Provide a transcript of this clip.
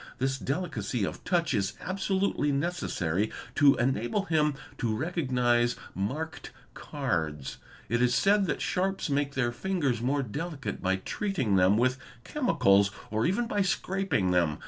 This delicacy of touch is absolutely neces . sary to enable him to recognise marked cards. It is said that sharps _ make their fingers more delicate by treating them with chemicals or even a. by scraping them.